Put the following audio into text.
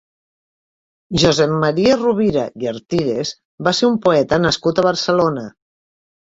Josep Maria Rovira i Artigues va ser un poeta nascut a Barcelona.